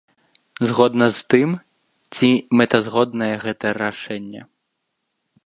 Згодна з тым, ці мэтазгоднае гэта рашэнне.